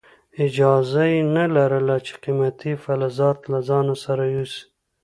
اجازه یې نه لرله چې قیمتي فلزات له ځان سره یوسي.